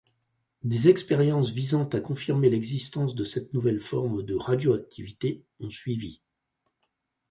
Des expériences visant à confirmer l’existence de cette nouvelle forme de radioactivité ont suivi.